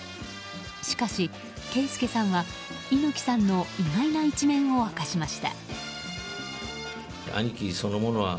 しかし、啓介さんは猪木さんの意外な一面を明かしました。